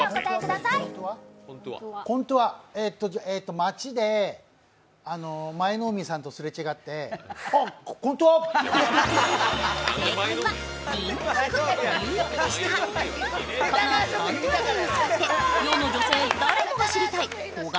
街で舞の海さんとすれ違って、コントゥア！